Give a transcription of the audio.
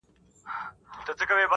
پلی درومي او په مخ کي یې ګوډ خر دی٫